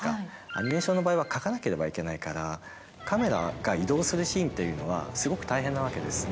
アニメーションの場合は描かなければいけないので、カメラが移動するシーンっていうのは、すごく大変なわけです。